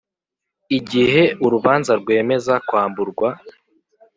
Igihe urubanza rwemeza kwamburwa